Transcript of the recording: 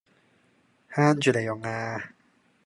慳住嚟用呀